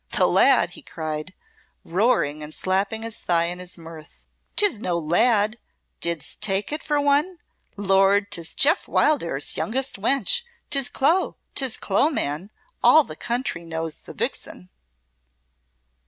"The lad!" he cried, roaring and slapping his thigh in his mirth. "'Tis no lad. Didst take it for one? Lord! 'tis Jeoff Wildair's youngest wench. 'Tis Clo 'tis Clo, man. All the county knows the vixen!"